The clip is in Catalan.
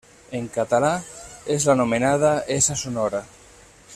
En català és l'anomenada essa sonora.